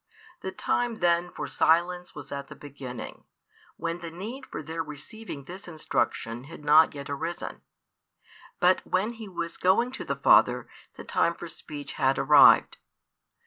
The time then for silence was at the beginning, when the need for their receiving this instruction had not yet arisen. But when He was going to the Father, the time for speech had arrived.